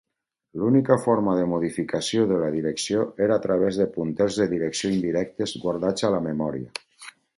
L'única forma de modificació de la direcció era a través de punters de direcció indirectes guardats a la memòria.